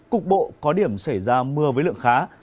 cục bộ có điểm xảy ra mưa với lượng khá